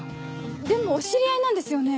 でもお知り合いなんですよね？